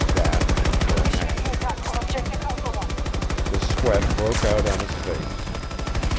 That, or hang. The sweat broke out on his face.